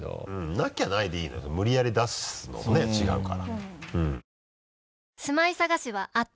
なきゃないでいいのよ無理やり出すのもね違うから。